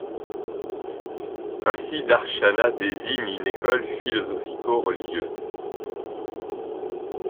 Ainsi darshana désigne une école philosophico-religieuse.